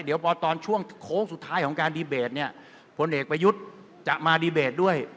เดี๋ยวพอตอนช่วงโค้งสุดท้ายของการดีเบตเนี่ยพลเอกประยุทธ์จะมาดีเบตด้วย